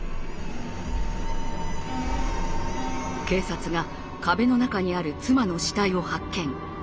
警察が壁の中にある妻の死体を発見。